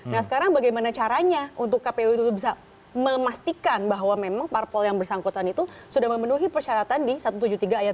nah sekarang bagaimana caranya untuk kpu itu bisa memastikan bahwa memang parpol yang bersangkutan itu sudah memenuhi persyaratan di satu ratus tujuh puluh tiga ayat tiga